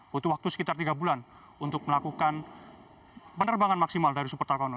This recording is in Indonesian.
butuh waktu sekitar tiga bulan untuk melakukan penerbangan maksimal dari super tarkono